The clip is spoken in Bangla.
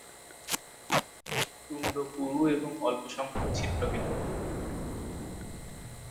তুণ্ড পুরু এবং অল্প সংখ্যক ছিদ্র বিদ্যমান।